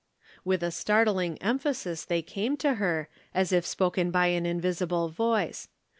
With a startling emphasis they came to her, as if spoken by an invisible voice.